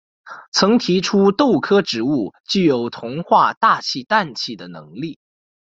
曾提出豆科植物具有同化大气氮气的能力。